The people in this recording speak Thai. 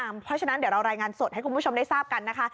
เพราะฉะนั้นเดี๋ยวเรารายงานสดให้คุณผู้ชมได้ทราบกันนะคะ